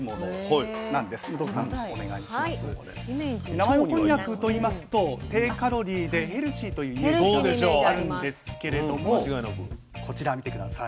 生芋こんにゃくといいますと低カロリーでヘルシーというイメージがあるんですけれどもこちら見て下さい。